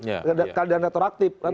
ada kandang kandang teraktif